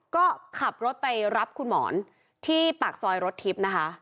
ก็ขับรถไปรับคุณหมอนที่ปากซอยรถทิพย์นะคะ